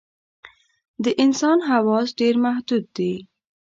د انسان حواس ډېر محدود دي.